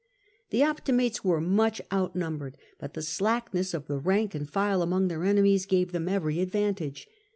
The Optimates were much outnumbered, but the slackness of the rank and file among their enemies gave them every advantage.